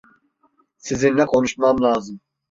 Sizinle konuşmam lazım.